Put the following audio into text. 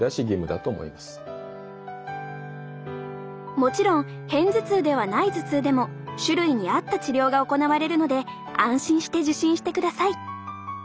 もちろん片頭痛ではない頭痛でも種類に合った治療が行われるので安心して受診してください。